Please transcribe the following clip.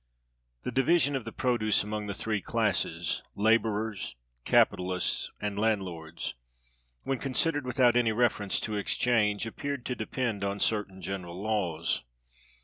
The division of the produce among the three classes, laborers, capitalists, and landlords, when considered without any reference to exchange, appeared to depend on certain general laws.